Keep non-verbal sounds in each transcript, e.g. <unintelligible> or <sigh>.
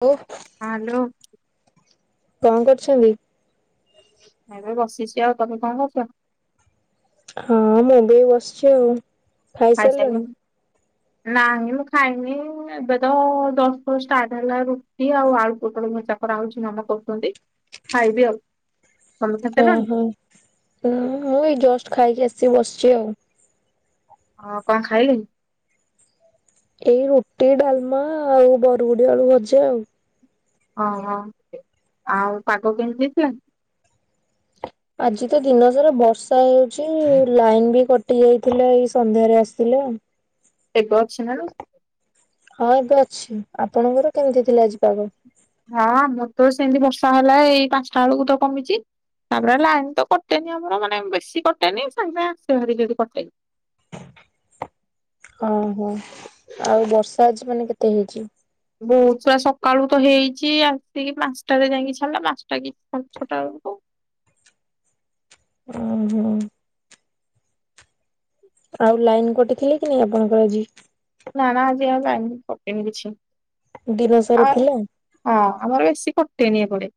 ଓ। Hello. କଣ କରୁଛନ୍ତି? ମୁଁ ଏବେ ବସିଛି ଆଉ ତମେ କଣ କରୁଛ? ହଁ ମୁଁ ଏଇ ବସିଛି ଆଉ। ଖାଇ ଖାଇସାରିଲଣି? ସାରିଲୁଣି? ନାହିଁ ମୁଁ ଖାଇନି ଏବେ ତ ଜଷ୍ଟ ଷ୍ଟାର୍ଟ ହେଲା ରୁ ଟି ଆଉ ଆଳୁ ପୋଟଳ ଭଜା କରା ହଉଛି ମମା କରୁଛନ୍ତି ଖାଇବି ଆଉ। ତମେ ଖାଇସାରିଲଣି ଓହୋ ମୁଁ ଏ ଜଷ୍ଟ ଖାଇକି ଆସିକି ବସିଛି ଆଉ। ହଁ କଣ ଖାଇଲି? ଏଇ ରୁଟି ଡାଲମା ଆଉ ବରୁଗୁଡି ଆଳୁ ଭଜା ଆଉ। ହଁ ହଁ ଆଉ ପାଗ କେମିତି ହେଇଥିଲା? ଆଜି ତ ଦିନ ସାରା ବର୍ଷା ହେଉଛି ଲାଇନ ବି କଟି ଯାଇଥିଲା ଏଇ ସନ୍ଧ୍ୟାରେ ଆସିଲି। ଏବେ ଅଛି ନା ଆଉ? ହଁ ଏବେ ଅଛି ଆପଣଙ୍କର କେମିତି ଥିଲା ଆଜିପାଗ? ହଁ ଆମର ତ ସେମିତି ବର୍ଷା ହେଲା ଏଇ ପାଞ୍ଚଟା ବେଳକୁ ତ କମିଛି। ତାପରେ ଲାଇନ ତ କଟେନି ଆମର ମାନେ ବେଶୀ କଟେନି ସାଙ୍ଗେ ସାଙ୍ଗେ ଆସେ ଭାରି ଯଦି କଟେ। ଓହୋ ଆଉ ବର୍ଷା ଆଜି ମାନେ କେତେ ହେଇଛି? ବହୁତ ସାରା ସକାଳୁ ତ ହେଇଛି ଆସିକି ପାଞ୍ଚଟାରେ ଯାଇକି ଛାଡିଲା ପାଞ୍ଚଟା କି ଛଟା ବେଳକୁ। ଓ ହୋ। ଆଉ ଲାଇନ କଟି ଥିଲେ କି ନାଇଁ ଆପଣଙ୍କର ଆଜି? ନା ନା ଆଜି ଆଉ <unintelligible> ପକେଇନି କିଛି। ଦିନସାରା ଆଉ ଥିଲା। ହଁ ଆମର ବେଶୀ କଟେନି ଏପଡେ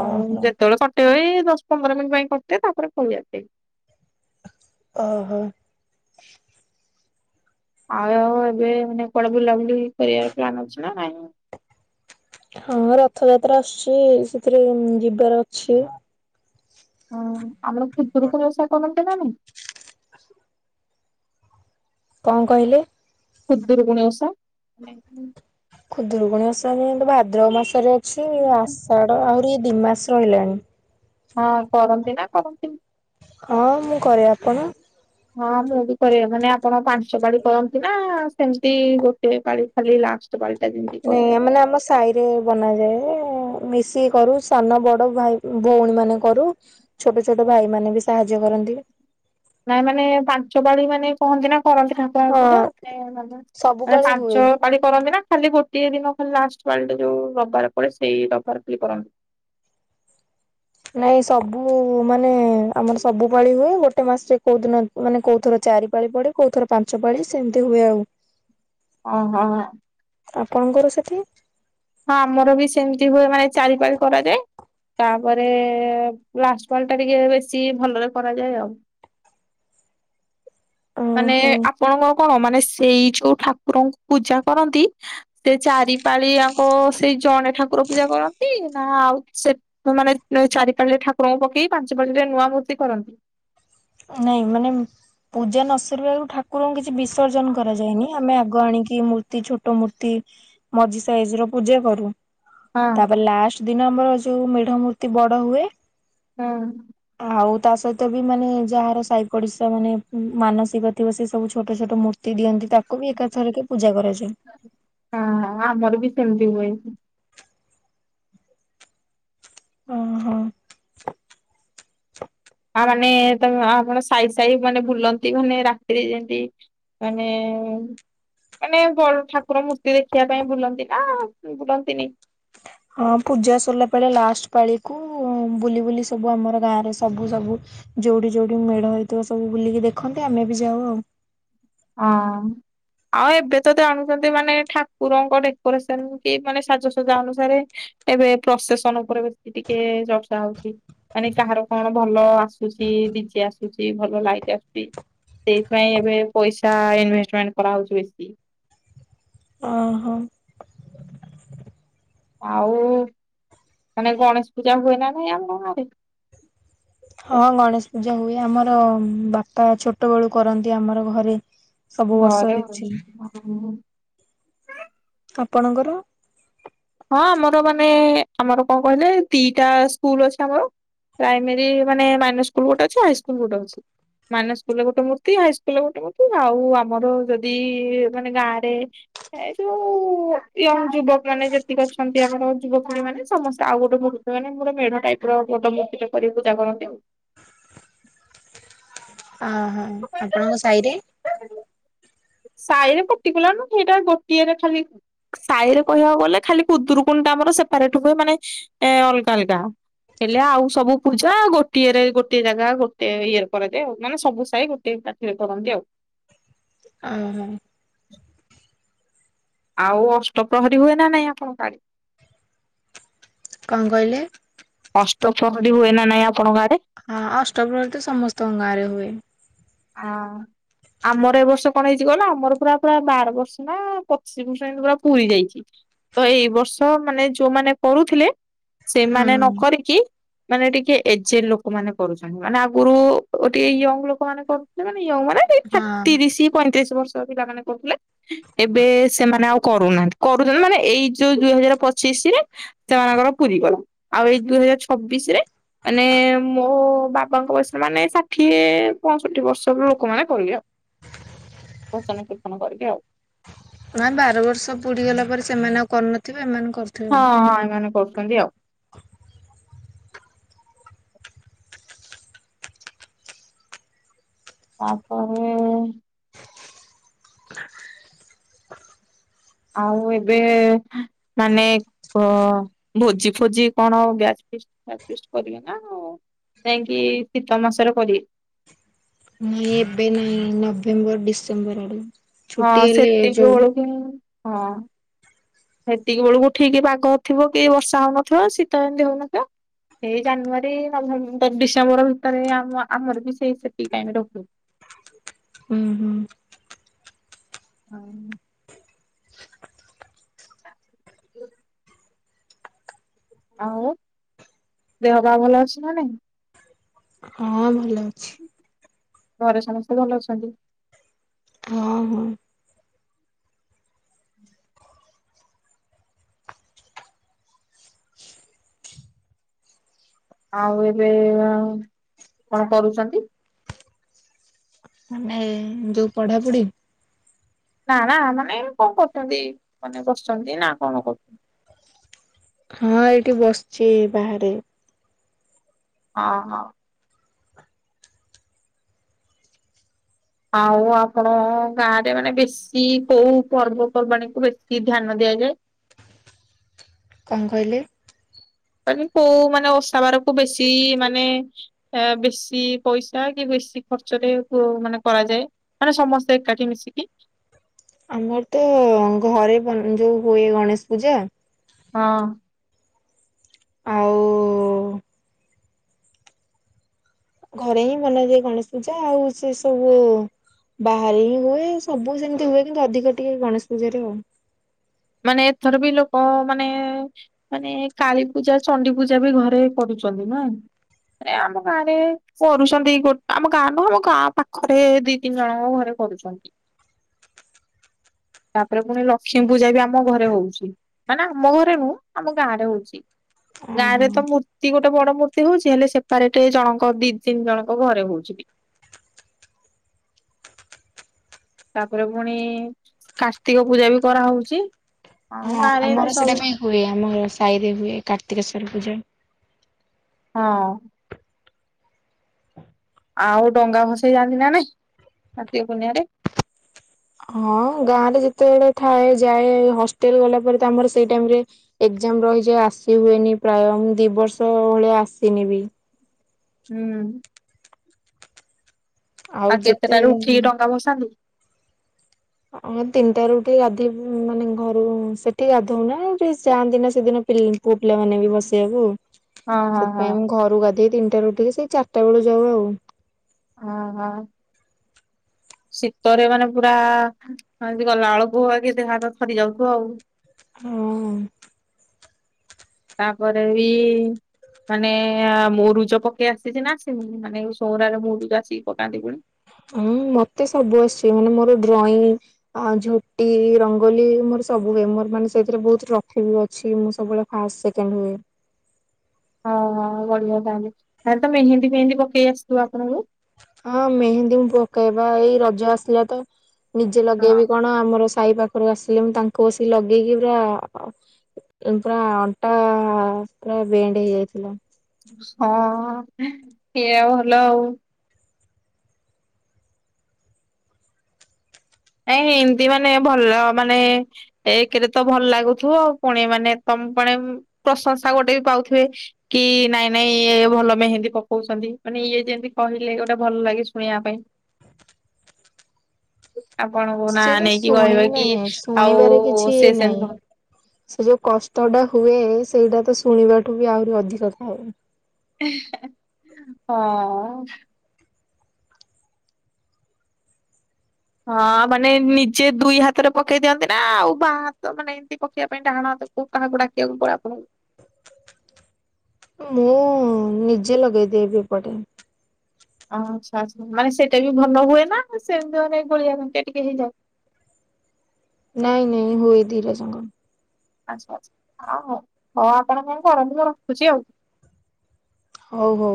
ଆଉ ଓହୋ ଯେତେବେଳେ କଟିବ ଏଇ ଦଶ ପନ୍ଦର ମିନିଟ ପାଇଁ କଟେ ତାପରେ ପଳେଇଆସେ। ଓହୋ। ଆଉ ଆଉ ଏବେ ମାନେ କୁଆଡେ ବୁଲାବୁଲି କରିବାର ପ୍ଲାନ୍ ଅଛି ନା ନାଇଁ। ହଁ ରଥଯାତ୍ରା ଆସୁଛି ସେଥିରେ ଯିବାର ଅଛି। ହଁ ଆମେ ଖୁଦୁରୁକୁଣୀ ଓଷା କରନ୍ତି ନା ନାଇଁ। କଁ କହିଲେ? ଖୁଦୁରୁକୁଣୀ ଓଷା। ଖୁଦୁରୁକୁଣୀ ଓଷା ଯାଇଁକି ଭାଦ୍ର ମାସରେ ଅଛି ଆଷାଢ ଆହୁରି ଦି ମାସ ରହିଲାଣି। ହଁ କରନ୍ତି ନା କରନ୍ତିନି। ହଁ ମୁଁ କରେ ଆପଣ? ହଁ ମୁଁ ବି କରେ ମାନେ ଆପଣ ପାଞ୍ଚ ପାଳି କରନ୍ତି ନା ସେମିତି ଗୋଟିଏ ପାଳି। ଖାଲି ଲାଷ୍ଟ ପାଲଟା ଯେମତି ନାଇଁ ଆ ମାନେ ଆମ ସ ସାଇରେ ବନାଯାଏ ମିଶିକି କରୁ ସାନ ବଡ଼ ଭାଇ ଭଉଣୀ ମାନେ କରୁ। ଛୋଟ ଛୋଟ ଭାଇ ମାନେ ବି ସାହାଯ୍ୟ କରନ୍ତି। ନାଇ ମାନେ ପାଞ୍ଚ ପାଳି ମାନେ କହନ୍ତି ନା କରନ୍ତି ଠା ହଁ <unintelligible> ସବୁ ମାନେ ପାଳି ହୁଏ। ପାଞ୍ଚ ପାଳି କରନ୍ତି ନା ଖାଲି ଗୋଟିଏ ଦିନ ଖାଲି ଲାଷ୍ଟ ପାଳିଟା ଯୋଉ ରବିବାର ପଡେ ସେଇ ରବିବାର ଖାଲି କରନ୍ତି। ନାଇଁ ସବୁ ମାନେ ଆମର ସବୁ ପାଳି ହୁଏ ଗୋଟେ ମାସରେ କୋଉ ଦିନ ମାନେ କୋଉ ଥର ଚାରି ପାଳି ପଡେ କୋଉ ଥର ପାଞ୍ଚ ପାଳି ସେମିତି ହୁଏ ଆଉ। ଅଁହଁ। ଆପଣଙ୍କର ସେଠି। ହଁ ଆମର ବି ସେମିତି ହୁଏ ମାନେ ଚାରିପାରି କରାଯାଏ। ତାପରେ ଲାଷ୍ଟ ପାଳୀ ଟା ଟିକେ ବେଶୀ ଭଲରେ କରାଯାଏ ଆଉ। ମାନେ ଓହୋ ଆପଣଙ୍କର କଣ ମାନେ ସେଇ ଯୋଉ ଠାକୁରଙ୍କୁ ପୂଜା କରନ୍ତି। ସେ ଚାରିପାଳିଆଙ୍କ ସେଇ ଜଣେ ଠାକୁର ପୂଜା କରନ୍ତି ନା ଆଉ ସେ ସେମାନେ ଚାରି ପାଳିରେ ଠାକୁରଙ୍କୁ ପକେଇକି ପାଞ୍ଚ ପାଳିରେ ନୂଆ ମୂର୍ତ୍ତି କରନ୍ତି। ନାଇଁ ମାନେ ପୂଜା ନ ସରିବା ଆଗରୁ ଠାକୁରଙ୍କୁ କିଛି ବିସର୍ଜନ କରାଯାଏନି ଆମେ ଆଗ ଆଣିକି ମୂର୍ତି ଛୋଟ ମୂର୍ତ୍ତି ମଝି ସାଇଜ ର ପୂଜା କରୁ ହଁ ତାପରେ ଲାଷ୍ ଦି ନମ୍ବର ଯୋଉ ମେଢ ମୂର୍ତ୍ତି ବଡ ହୁଏ। ହୁଁ। ଆଉ ତା ସହିତ ବି ମାନେ ଯାହାର ସାଇ ପଡିଶା ମାନେ ମାନସିକ ଥିବ ସେ ସବୁ ଛୋଟ ଛୋଟ ମୂ ତି ଦିଅନ୍ତି ତାକୁ ବି ଏକାଥରକେ ପୂଜା କରାଯାଏ। ହଁ ଅଁ ଆମର ବି ସେମିତି ହୁଏ। ଓହୋ। ଆ ମାନେ ତମ ଆପଣ ସାଇ ସାଇ ମାନେ ବୁଲନ୍ତି ମାନେ ରାତିରେ ଯେମତି ମାନେ ମାନେ ବଡ ଠାକୁର ମୂର୍ତ୍ତି ଦେଖିବା ପାଇଁ ବୁଲନ୍ତି ନା ବୁଲନ୍ତିନି। ହଁ ପୂଜା ସରିଲା ପାଳିଆ ଲାଷ୍ଟ ପାଳିକୁ ବୁଲି ବୁଲି ସବୁ ଆମର ଗାଁରେ ସବୁ ସବୁ ଯୋଉଠି ଯୋଉଠି ମେଢ ହେଇଥିବ ସବୁ ବୁଲିକି ଦେଖନ୍ତି ଆମେ ବି ଯାଉ ଆଉ। ଅଁ ଆଉ ଏବେ ତ ଜାଣୁଛନ୍ତି ମାନେ ଠାକୁରଙ୍କ ଡେକୋରେସନ କି ମାନେ ସାଜସଜା ଅନୁସାରେ ଏବେ ପ୍ରସେସନ ଉପରେ ବେଶ ଟିକେ ଚର୍ଚ୍ଚା ହଉଛି। ମାନେ କାହାର କଣ ଭଲ ଆସୁଛି ଡିଜେ ଆସୁଛି ଭଲ ଲାଇଟ୍ ଆସୁଛି। ସେଇଥିପାଇଁ ଏବେ ପଇସା ଇନଭେଷ୍ଟମେଣ୍ଟ କରାହଉଛି ବେଶୀ ଓହୋ ଆଉ ମାନେ ଗଣେଶ ପୂଜା ହୁଏ ନା ନାଇଁ ଆମରେ ଇଆଡ଼େ ହଁ ଗଣେଶ ପୂଜା ହୁଏ ଆମର ବାପା ଛୋଟ ବେଳୁ କରନ୍ତି ଆମର ଘରେ ସବୁ ବର୍ଷ ହେଇଛି। ହୁ ଆପଣଙ୍କର? ହଁ ଆମର ମାନେ ଆମର କଣ କହିଲେ ଦିଟା ସ୍କୁଲ ଅଛି ଆମର। ପ୍ରାଇମେରୀ ମାନେ ସ୍କୁଲ ଗୋଟେ ଅଛି ହାଇ ସ୍କୁଲ ଗୋଟେ ଅଛି। ମାନ ସ୍କୁଲରେ ଗୋଟେ ମୂର୍ତ୍ତି ହାଇସ୍କୁଲରେ ଗୋଟେ ମୂର୍ତ୍ତି ଆଉ ଆମର ଯଦି ମାନେ ଗାଁରେ। ଏ ଯୋଉ ୟଙ୍ଗ ଯୁବକ ମାନେ ଯେ ସେ ଅଛନ୍ତି ଆମର ଯୁବପିଣ ମାନେସ୍ତେ ଆଉ ଗୋଟେ ମୂର୍ତ୍ତ ମେ ମୋର ମେଢ ଟାଇପ ର ଗୋଟେ ମତ କରି ପୂଜା କରନ୍ତି ଆଉ। ଅହୋ ଆପଣଙ୍କ ସାହି ରେ ସାଇରେ ପତି କଲାନ ସେଇଟାର ଗୋଟିଏରେ ଖାଲି। ସାହି ରେ କହିବାକୁ ଗଲେ ଖାଲି କୁଦୁରୁକୁୋଣ ଟା ଆମର ସେପାରେଟ ହୁଏ ମାନେ ଏ ଅଲଗା ଅଲଗା ହେଲେ ଆଉ ସବୁ ପୂଜା ଗୋଟିଏରେ ଗୋଟଏ ଜାଗା ଗୋଟେ ଇଏରେ କରାଯାଏ ଆଉ ମାନେ ସବୁ ସାଇ ଟେ ପାଠିରେ କରନ୍ତି ଆଉ। ଓ ହ ଆଉ ଅଷ୍ଟପ୍ରହରୀ ହୁଏ ନା ନାଇଁ ଆପଣଙ୍କ ଆଡେ କଣ କହିଲେ। ଅଷ୍ଟ ଫହରିୀ ହୁଏ ନା ନାଇଁ ଆପଣଙ୍କ ଆଡରେ ହଁ ଅଷ୍ଟପହୀ ତ ସମସ୍ତଙ୍କ ଗାଁ ରେ ହୁଏ। ହଁ ଆମର ଏ ବର୍ଷ କଣ ହେଇଛି ଗଲା ଆମର ପୁରା ପୁରା ବାର ବର୍ଷ ନା ପଚିଶ ବର୍ଷ ଏମତି ପୁରା ପୁରୀ ଯାଇଛି। ତ ଏଇ ବର୍ଷ ମାନେ ଯୋଉମାନେ କରୁଥିଲେ ହୁଁ ସେମାନେ ନ କରିକି ମାନେ ଟିକେ ଏଜେ ଲୋକ ମାନେ କରୁଛନ୍ତି ମାନେ ଆଗରୁ ଟିକେ ୟଙ୍ଗ ଲୋକ ମାନେ। କରୁଥିଲେ ମାନେ ୟ ମାନେ ହଁ। ତିରିଶ ପଇଁତିରିଶ ବର୍ଷ ପିଲାମାନୋନେ କରୁଥିଲେ। ଏବେ ସେମାନେ ଆଉ କରୁନାହାନ୍ତି କରୁଛନ୍ତି ମାନେ ଏଇ ଯୋଉ ଦୁଇ ହଜାର ପଚିଶି ରେ ସେମାନଙ୍କର ପୁରୀ ଗଲା ଆଉ ଏଇ ଦୁଇ ହଜାର ଛବିଶ ରେ ମାନେ ମୋ ବାବାଙ୍କ ବୟସରେ ମାନେ ଷାଠିଏ ଷଠି ବର୍ଷରୁ ଲୋକମାନୋନ କରିବେ ଆଉ ଭଜନ କୀର୍ତ୍ତନ କରିକି ଆଉ ମାଇ ବାର ବର୍ଷ ପୁଡିଗଲା ପରେ ସେମାନେ ଆଉ କରିନଥିବେ ଏମାନେ କରି ହଁ ହଁ ଏମାନେ କରୁଛନ୍ତି ଆଉ। ତାପରେ ଆଉ ଏବେ ମାନେ ହ ଭୋଜି ଫୋଜି କଣଉ ଗ୍ୟା ଫିଷ୍ଟ ଫି କରିବେ ନା ହଉ। ଯାଇଁକି ଶୀତ ମାସରେ କରିବେ। ନାଇଁ ଏବେ ନାଇଁ ନଭେମ୍ବର ଡିସେମ୍ବର ଆଡୁ ହଁ ସେତିକି ବେଳୁ କି ହଁ। ସେତିକି ବେଳକୁ ଠିକ ପାଗ ଥିବ କି ବର୍ଷା ହଉନଥିବ ଶୀତ ଏମିତି ହଉନଥିବ। ସେଇ ଜାନୁଆରୀ, ନଭେମ୍ବର, ଡିସେମ୍ବର ଭିତରେ ଆମ ଆମର ବି ସେଇ ସେତିକପାଇଁ ରଖୁ। ହୁଁ ହୁଁ ହଁ ହଁ ଆଉ ଦେହ ବା ଭଲ ଅଛି ନା ନାଇଁ। ହଁ ଭଲ ଅଛି। ଘରେ ସମସ୍ତେ ଭଲ ଅଛନ୍ତି? ହଁ ହଁ। ଆଉ ଏବେ ଅ -କଣ କରୁଛନ୍ତି? ମାନେ ଯୋଉ ପଢାପଢି। ନା ନା ମାନେ ଏ କଣ କରୁଛନ୍ତି। ମାନେ ବସିଛନ୍ତି ନା କଣ କରୁଛନ୍ତି। ହଁ ଏଇଠି ବସିଛି ବାହାରେ। ହଁ ହଁ। ଆଉ ଆପଣ ଗାଁ ରେ ମାନେ ବେଶୀ ଶୀ କୋଉ ପର୍ବପର୍ବାଣୀ କୁ ବେଶୀ ଧ୍ୟାନ ଦିଆଯାଏ? କଣ କହିଲେ? କହିନି କୋଉ ମାନେ ଓସା ବାରକୁ ବେଶୀ ମାନେ ଏ ବେଶୀ ପଇସା କି ବେଶୀ ଖର୍ଚ୍ଚ ରେ କୋମାନେ କରାଯାଏ। ମାନେ ସମସ୍ତେ ଏକାଠି ମିଶିକି ଆମର ତ ଘରେ ବ ଯୋଉ ହୁଏ ଗଣେଶ ପୂଜା। ହଁ। ଆଉ ଘରେ ହିଁ ବନାଯାଏ ଗଣେଶ ପୂଜା ଆଉ ସେ ସବୁ ବାହାରେ ହିଁ ହୁଏ ସବୁ ସେମିତି ହୁଏ କିନ୍ତୁ ଅଧିକ ଟିକେ ଗଣେଶ ପୂଜାରେ ଆଉ। ମାନେ ଏଥର ବି ଲୋକ ମାନେ ମାନେ କାଳୀପୂଜା ଚଣ୍ଡି ପୂଜା ବି ଘରେ କରୁଛନ୍ତି ନୁହେଁ। ମାନେ ଆମ ଗାଁରେ କରୁଛନ୍ତି ଗୋଟେ ଆମ ଗାଁ ନୁହଁ ଆମ ଗାଁ ପାଖରେ ଦି ତିନି ଜଣଙ୍କ ଘରେ କରୁଛନ୍ତି ତାପରେ ପୁଣି ଲକ୍ଷ୍ମୀ ପୂଜା ବି ଆମ ଘରେ ହଉଛି ମାନେ ଆମ ଘରେ ନୁହଁ ଆମ ଗାଁ ରେ ହଉଛି। ଗାଁରେ ଓହୋ। ତ ମୂର୍ତ୍ତି ଗୋଟେ ବଡ ମୂର୍ତ୍ତି ହଉଛି। ହେଲେ ସେପାରେଟ ଜଣଙ୍କ ଦି ତିନି ଜଣଙ୍କ ଘରେ ହଉଛି। ତାପରେ ପୁଣି କାର୍ତ୍ତିକ ପୂଜା ବି କରାହଉଛି। ହଁ ଗାଁରେ ଏମିତି ଆମର ସେଇଟା ସବୁ ପାଇଁ ହୁଏ। ଆମର ସାହିରେ ହୁଏ କାର୍ତ୍ତିକେଶ୍ଵର ପୂଜା। ହଁ। ଆଉ ଡଙ୍ଗା ଭସେଇ ଯାଆନ୍ତି ନା ନାଇଁ କାର୍ତ୍ତିକ ପୂର୍ଣ୍ଣିମା ରେ? ହଁ ଗାଁ ରେ ଯେତେବେଳେ ଥାଏ ଯାଏ। ହଷ୍ଟେଲ ଗଲା ପରେ ତ ଆମର ସେଇ ଟାଇମରେ ଏଜାମ ରହିଛି ଆସି ହୁଏନି ପ୍ରାୟ ମୁ ଦି ବର୍ଷ ଭଳିଆ ଆସିନି ବି। ହୁଁ। ଆଉ କେତେଟା ରୁ ଉଠିକି ଡଙ୍ଗା ଭସାନ୍ତି? ହଁ ତିନିଟା ରୁ ଉଠି ଗାଧୋଇ ମାନେ ଘରୁ ସେଠି ଗାଧଉ ନା ଯାଆନ୍ତି ନା ସେଦିନ ପିଲି ପୁଅ ପିଲାମାନେ ବି ବସେଇବାକୁ। ହଁ ହଁ ହଁ ସେଥିପାଇଁ ମୁଁ ଘରୁକୁ ଗାଧେଇ ତିନିଟାରେ ଉଠିକି ସେଇ ଚାରିଟା ବେଳ ଯାଉ ଆଉ। ଓ ହଁ। ଶୀତରେ ମାନେ ପୁରା ଏମିତି ଗଲା ବଳକୁ କି ଦେହ ହାତ ଥରି ଯାଉଥିବ ଆଉ? ହଁ। ତା ପରେ ବି ମାନେ ମୁରୁଜ ପକେଇ ଆସିଛି ନା ଆସିନି ମାନେ ଏ ଚଉଁରାରେ ମୁରୁଜ ଆସିକି ପକାନ୍ତି ପୁଣି? ହଁ ମତେ ସବୁ ଆସୁଛି ମାନେ ମୋର ଡ୍ରଇଂ ଆ ଝୋଟି ରଙ୍ଗୋଲି ମୋର ସବୁ ହୁଏ ମୋର ମାନେ ସେଇଥିରେ ବହୁତ ଟ୍ରଫି ବି ଅଛି ମୁଁ ସବୁବେଳେ ଫାଷ୍ଟ ସେକେଣ୍ଡ ହୁଏ। ହଁ ବଢିଆ ତାହେଲେ ତାହେଲେ ତ ମେହେନ୍ଦୀ ଫେହେନ୍ଦୀ ପକେଇ ଆସୁଥିବ ଆପଣଙ୍କୁ? ହଁ ମେହେନ୍ଦୀ ମୁଁ ପକାଏ ବା ଏଇ ରଜ ଆସିଲା ତ ନିଜେ ଲଗେଇବି ହଁ କଣ ଆମର ସାଇ ପା ପାଖରକୁ ଆସିଲେ ମୁଁ ତାଙ୍କୁ ବସିକି ଲଗେଇକି ପୁରା ଏମତି ପୁରା ଅଣ୍ଟା ପୁରା ବେଣ୍ଡ ହେଇଯାଇଥିଲା। ସ ସେଇଆ ଭଲ ଆଉ। ଏ ଏମତି ମାନେ ଭଲ ମାନେ ଏକେରେ ତ ଭଲ ଲାଗୁଥିବ ଆଉ ପୁଣି ମାନେ ତମେ ପଣି ପ୍ରଶଂସା ଗୋଟେ ବି ପାଉଥିବେ। କି ନାଇଁ ନାଇଁ ଇଏ ଭଲ ମେହେନ୍ଦୀ ପକଉଛନ୍ତି ମାନେ ଇଏ ଯେମିତି କହିଲେ ଗୋଟେ ଭଲ ଲାଗେ ଶୁଣିବା ପାଇଁ। ଆପଣଙ୍କୁ ନା ସେଇଟା ନେଇକି କହିବେ ଶୁଣିବୁ କି କାଇଁ ଆଉ ଶୁଣିବାରେ କିଛି ଇଏ ସେ ନାହିଁ। ସେମିତି ସେ ଯୋଉ କଷ୍ଟଟା ହୁଏ ସେଇଟା ତ ଶୁଣିବା ଠୁ ବି ଆହୁରି ଅଧିକ ଥାଏ। ହଁ। ହଁ ମାନେ ନିଜେ ଦୁଇ ହାତରେ ପକେଇ ଦିଅନ୍ତି ନା ଆଉ ବାଁ ହାତ ମାନେ ଏମିତି ପକେଇବା ପାଇଁ ଡାହାଣ ହାତକୁ କୁ କାହାକୁ ଡାକିଆକୁ ପଡ଼େ ଆପଣଙ୍କୁ? ମୁଁ ନିଜେ ଲଗେଇ ଦିଏ ବି ଏପଟେ। ଆଚ୍ଛା ଆଚ୍ଛା ମାନେ ସେଟା ବି ଭଲ ହୁଏ ନା ସେମିତି ମାନେ ଗୋଳିଆ ଘଣ୍ଟିଆ ଟିକେ ହେଇଯାଏ? ନାଇଁ ନାଇଁ ହୁଏ ଧିରଜଙ୍ଗ ଆଚ୍ଛା ଆଚ୍ଛା ଆଉ ହଉ ହଉ ଆପଣ କଣ କରନ୍ତୁ ଆଉ ମୁଁ ରଖୁଛି ଆଉ। ହଉ ହଉ।